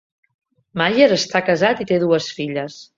Meyer està casat i té dues filles.